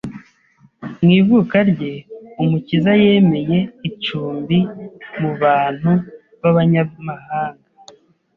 Mu ivuka rye, Umukiza yemeye icumbi mu bantu b'abanyamahanga